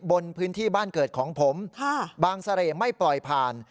บนพื้นที่บ้านเกิดของผมบางเสร่ไม่ปล่อยผ่าน